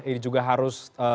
ini juga harus